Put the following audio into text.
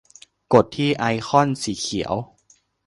กดที่ไอคอนสีเขียว